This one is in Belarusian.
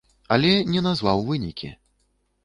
Але не назваў вынікі.